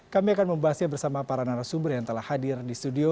kami akan membahasnya bersama para narasumber yang telah hadir di studio